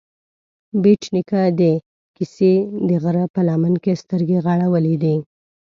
بېټ نيکه د کسې د غره په لمن کې سترګې غړولې دي